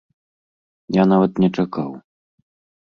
Я нават не чакаў!